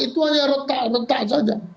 itu hanya retak retak saja